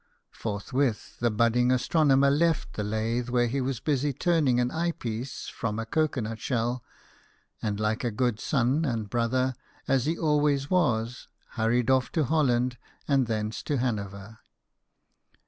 Forth with, the budding astronomer left the lathe where he was busy turning an eye piece from a cocoa nut shell, and, like a good son and brother as he always was, hurried off to Holland and thence to Hanover.